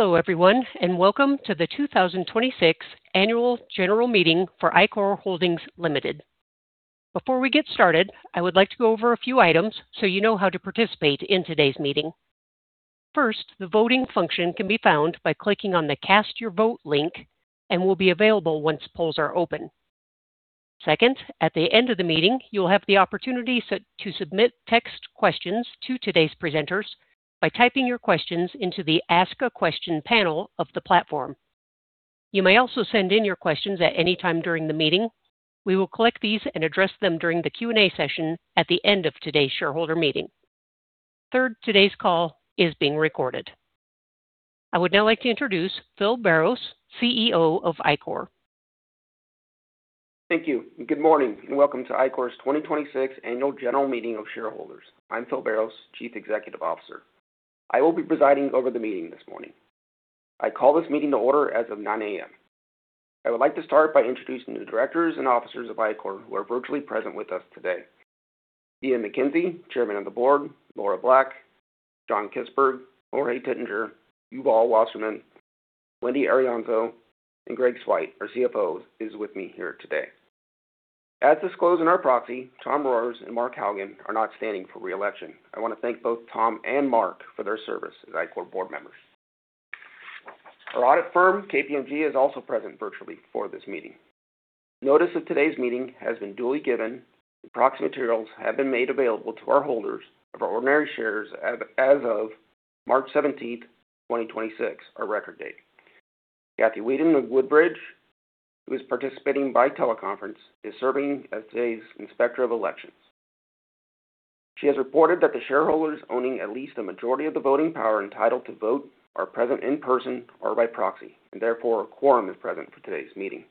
Hello everyone, welcome to the 2026 Annual General Meeting for Ichor Holdings, Ltd. Before we get started, I would like to go over a few items so you know how to participate in today's meeting. First, the voting function can be found by clicking on the Cast Your Vote link and will be available once polls are open. Second, at the end of the meeting, you will have the opportunity to submit text questions to today's presenters by typing your questions into the Ask a Question panel of the platform. You may also send in your questions at any time during the meeting. We will collect these and address them during the Q&A session at the end of today's shareholder meeting. Third, today's call is being recorded. I would now like to introduce Phil Barros, CEO of Ichor. Thank you. Good morning. Welcome to Ichor's 2026 annual general meeting of shareholders. I'm Phil Barros, Chief Executive Officer. I will be presiding over the meeting this morning. I call this meeting to order as of 9:00 A.M. I would like to start by introducing the Directors and Officers of Ichor who are virtually present with us today. Iain MacKenzie, Chairman of the Board, Laura Black, John Kispert, Jorge Titinger, Yuval Wasserman, Wendy Arienzo, and Greg Swyt, our CFO, is with me here today. As disclosed in our proxy, Thomas Rohrs and Marc Haugen are not standing for re-election. I want to thank both Tom and Marc for their service as Ichor board members. Our audit firm, KPMG, is also present virtually for this meeting. Notice of today's meeting has been duly given. The proxy materials have been made available to our holders of our ordinary shares as of March 17th, 2026, our record date. Kathy Weeden of Broadridge, who is participating by teleconference, is serving as today's Inspector of Elections. She has reported that the shareholders owning at least a majority of the voting power entitled to vote are present in person or by proxy, therefore a quorum is present for today's meeting.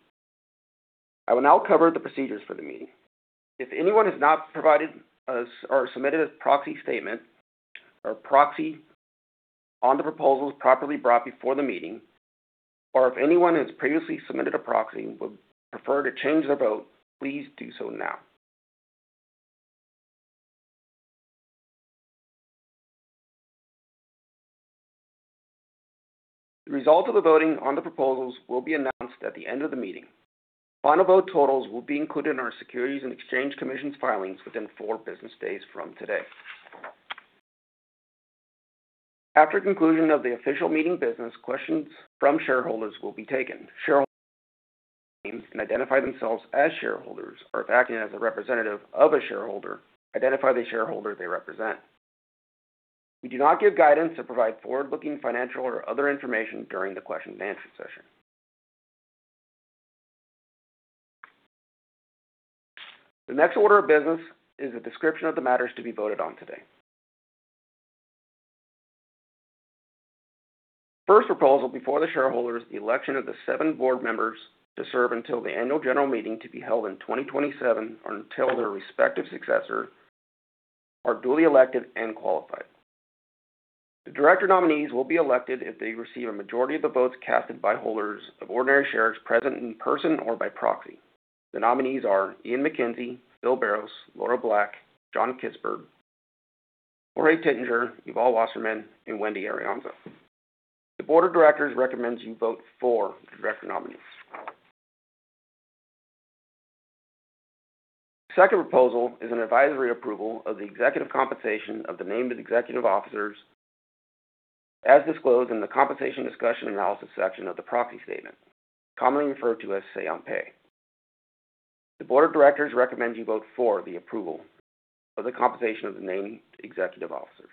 I will now cover the procedures for the meeting. If anyone has not provided us or submitted a proxy statement or proxy on the proposals properly brought before the meeting, or if anyone has previously submitted a proxy and would prefer to change their vote, please do so now. The result of the voting on the proposals will be announced at the end of the meeting. Final vote totals will be included in our Securities and Exchange Commission's filings within four business days from today. After conclusion of the official meeting business, questions from shareholders will be taken. Shareholders and identify themselves as shareholders are acting as a representative of a shareholder, identify the shareholder they represent. We do not give guidance or provide forward-looking financial or other information during the question and answer session. The next order of business is a description of the matters to be voted on today. First proposal before the shareholders, the election of the seven board members to serve until the annual general meeting to be held in 2027 or until their respective successor are duly elected and qualified. The director nominees will be elected if they receive a majority of the votes casted by holders of ordinary shares present in person or by proxy. The nominees are Iain MacKenzie, Phil Barros, Laura Black, John Kispert, Jorge Titinger, Yuval Wasserman, and Wendy Arienzo. The board of directors recommends you vote for the director nominees. The second proposal is an advisory approval of the executive compensation of the named executive officers as disclosed in the compensation discussion analysis section of the proxy statement, commonly referred to as Say on Pay. The board of directors recommend you vote for the approval of the compensation of the named executive officers.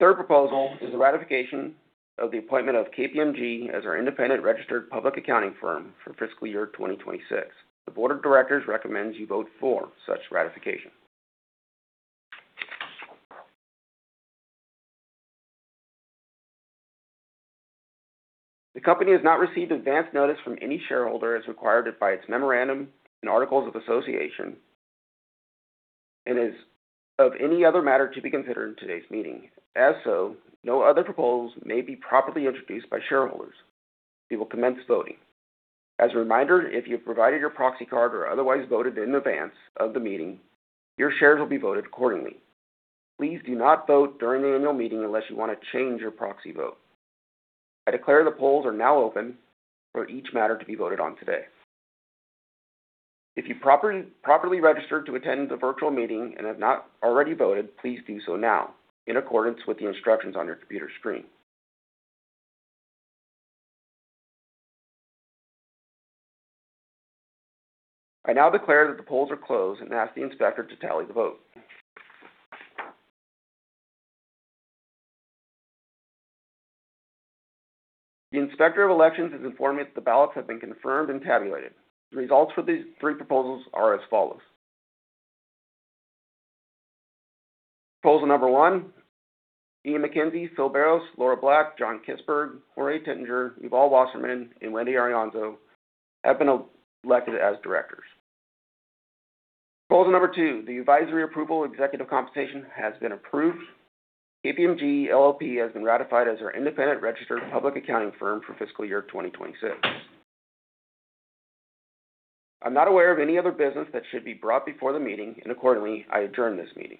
Third proposal is the ratification of the appointment of KPMG as our independent registered public accounting firm for fiscal year 2026. The board of directors recommends you vote for such ratification. The company has not received advanced notice from any shareholder as required by its memorandum and articles of association and is of any other matter to be considered in today's meeting. No other proposals may be properly introduced by shareholders. We will commence voting. As a reminder, if you have provided your proxy card or otherwise voted in advance of the meeting, your shares will be voted accordingly. Please do not vote during the annual meeting unless you want to change your proxy vote. I declare the polls are now open for each matter to be voted on today. If you've properly registered to attend the virtual meeting and have not already voted, please do so now in accordance with the instructions on your computer screen. I now declare that the polls are closed and ask the inspector to tally the vote. The Inspector of Elections has informed me that the ballots have been confirmed and tabulated. The results for these three proposals are as follows. Proposal number one, Iain MacKenzie, Phil Barros, Laura Black, John Kispert, Jorge Titinger, Yuval Wasserman, and Wendy Arienzo have been elected as directors. Proposal number two, the advisory approval executive compensation has been approved. KPMG LLP has been ratified as our independent registered public accounting firm for FY 2026. I'm not aware of any other business that should be brought before the meeting, and accordingly, I adjourn this meeting.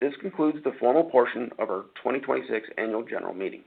This concludes the formal portion of our 2026 annual general meeting.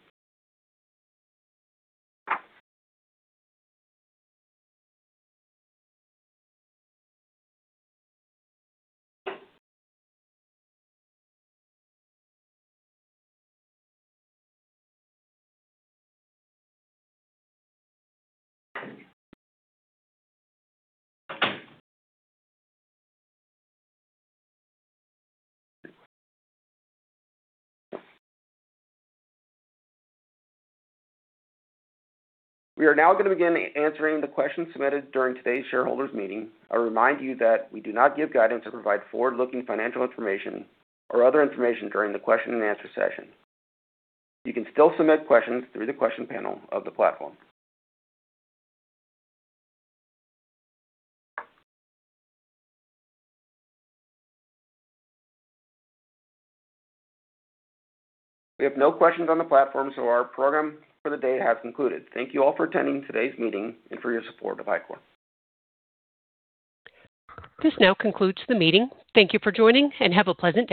We are now gonna begin answering the questions submitted during today's shareholders meeting. I remind you that we do not give guidance or provide forward-looking financial information or other information during the question and answer session. You can still submit questions through the question panel of the platform. We have no questions on the platform, our program for the day has concluded. Thank you all for attending today's meeting and for your support of Ichor. This now concludes the meeting. Thank you for joining, and have a pleasant day.